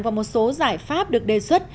và một số giải pháp được đề xuất